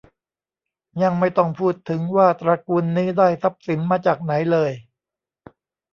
ยังไม่ต้องพูดถึงว่าตระกูลนี้ได้ทรัพย์สินมาจากไหนเลย